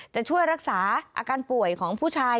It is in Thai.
จะช่วยรักษาอาการป่วยของผู้ชาย